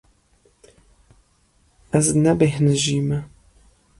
Ez nebêhnijî me.